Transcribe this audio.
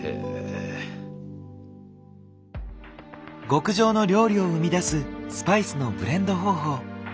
極上の料理を生み出すスパイスのブレンド方法。